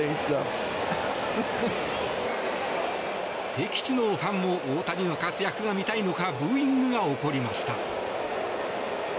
敵地のファンも大谷の活躍が見たいのかブーイングが起こりました。